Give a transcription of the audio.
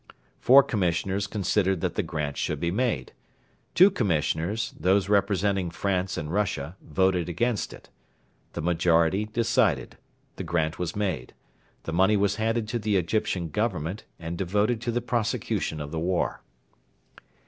Four Commissioners considered that the grant should be made. Two Commissioners, those representing France and Russia, voted against it. The majority decided. The grant was made. The money was handed to the Egyptian Government and devoted to the prosecution of the war.